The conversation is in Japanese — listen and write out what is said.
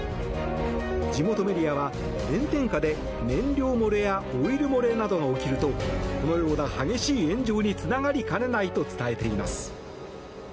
地元メディアは炎天下で燃料漏れやオイル漏れなどが起きるとこのような激しい炎上につながりかねないと伝えています。